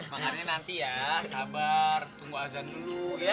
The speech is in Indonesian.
mangannya nanti ya sabar tunggu adzan dulu ya